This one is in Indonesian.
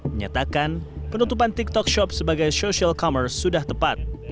menyatakan penutupan tiktok shop sebagai social commerce sudah tepat